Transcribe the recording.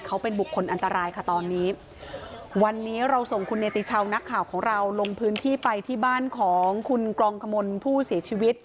เขาเป็นบุคคลอันตรายค่ะตอนนี้วันนี้เราส่งคุณเนติชาวนักข่าวของเราลงพื้นที่ไปที่บ้านของคุณกรองขมลผู้เสียชีวิต